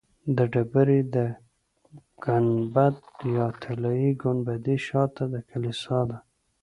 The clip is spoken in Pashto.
د ډبرې د ګنبد یا طلایي ګنبدې شاته د کلیسا ده.